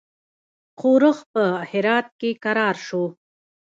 ښورښ په هرات کې کرار کړ.